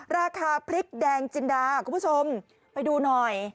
ราคาพริกแดงจินดาคุณผู้ชมไปดูหน่อย